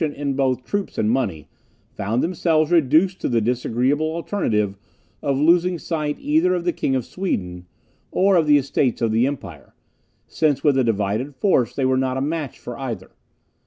Meantime, the imperial generals, deficient both in troops and money, found themselves reduced to the disagreeable alternative of losing sight either of the King of Sweden, or of the Estates of the empire, since with a divided force they were not a match for either.